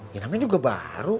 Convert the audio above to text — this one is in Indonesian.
ya namanya juga baru